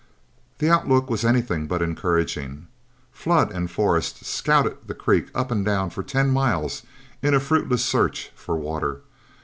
The outlook was anything but encouraging. Flood and Forrest scouted the creek up and down for ten miles in a fruitless search for water.